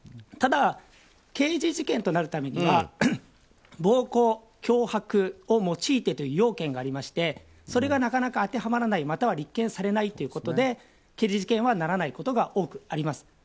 ただ、刑事事件となるためには暴行、脅迫を用いてという要件がありましてそれがなかなか当てはまらないまたは立件されないということで刑事事件にはならないことが多くあります。